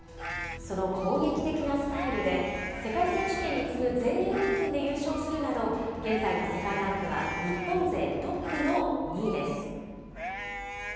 その攻撃的なスタイルで、世界選手権に次ぐ全英オープンで優勝するなど、現在の世界ランクは日本勢トップの２位です。